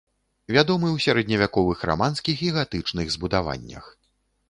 Вядомы ў сярэдневяковых раманскіх і гатычных збудаваннях.